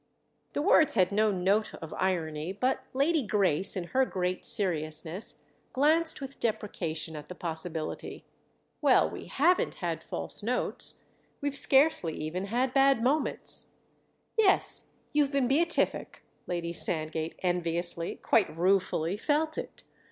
The words had no note of irony, but Lady Grace, in her great seriousness, glanced with deprecation at the possibility. "Well, we haven't had false notes. We've scarcely even had bad moments." "Yes, you've been beatific!"—Lady Sandgate enviously, quite ruefully, felt it.